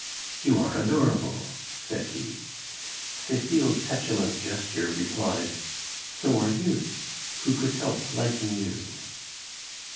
"You are adorable," said he. Cecile's petulant gesture replied, "So are you who could help liking you?"